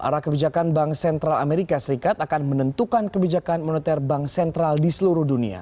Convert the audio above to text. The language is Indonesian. arah kebijakan bank sentral amerika serikat akan menentukan kebijakan moneter bank sentral di seluruh dunia